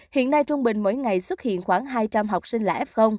hiện nay trung bình mỗi ngày xuất hiện khoảng hai trăm linh học sinh là f